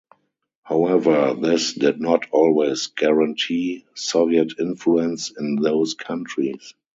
However, this did not always guarantee Soviet influence in those countries.